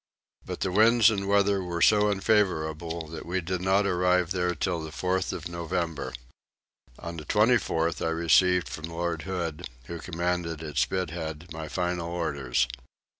But the winds and weather were so unfavourable that we did not arrive there till the 4th of November. On the 24th I received from Lord Hood, who commanded at Spithead, my final orders.